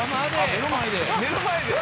目の前で。